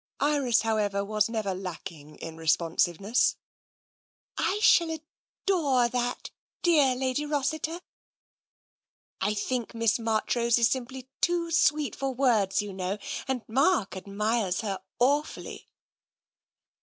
Iris, however, was never lacking in responsiveness. " I shall adore that, dear Lady Rossiter. I think TENSION 127 Miss Marchrose is simply too sweet for words, you know, and Mark admires her awfully."